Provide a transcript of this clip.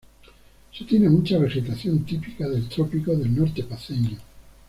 Se tiene mucha vegetación típica del trópico del norte paceño.